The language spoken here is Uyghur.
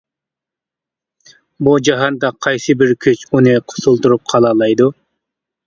بۇ جاھاندا قايسى بىر كۈچ ئۇنى قۇتۇلدۇرۇپ قالالايدۇ!